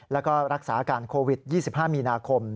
แล้วก็รักษาอาการโควิด๒๕มีนาคม